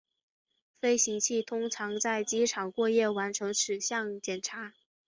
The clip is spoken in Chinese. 飞行器通常在机场过夜完成此项检查。